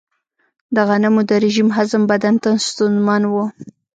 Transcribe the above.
د غنمو د رژیم هضم بدن ته ستونزمن و.